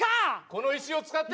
この石を使って。